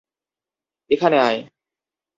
এখানে আয়!